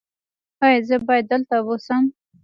ایا زه باید دلته اوسم؟